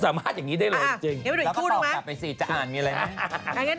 สามารถอย่างนี้ได้เลยจริงแล้วก็สอบกลับไปสิจะอ่านอย่างนี้เลยนะ